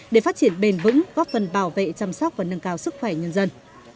để phát triển bền vững góp phần bảo vệ chăm sóc và nâng cao sức khỏe nhân dân